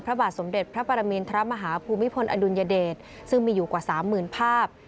พระบาทสมเด็จพระปรมินทรมาฮาภูมิพลอดุลยเดชซึ่งมีอยู่กว่าสามหมื่นภาพ